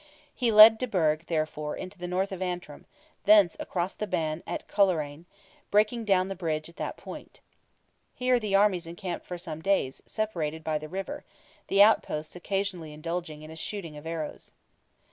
He led de Burgh, therefore, into the North of Antrim, thence across the Bann at Coleraine, breaking down the bridge at that point. Here the armies encamped for some days, separated by the river, the outposts occasionally indulging in a "shooting of arrows."